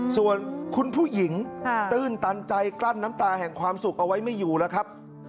ส่วนคุณผู้หญิงตื้นตันใจกลั้นน้ำตาแห่งความสุขเอาไว้ไม่อยู่แล้วครับ